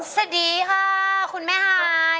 สวัสดีค่ะคุณแม่ฮาย